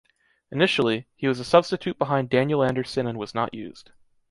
Initially, he was a substitute behind Daniel Andersson and was not used.